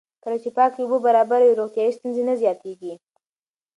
کله چې پاکې اوبه برابرې وي، روغتیایي ستونزې نه زیاتېږي.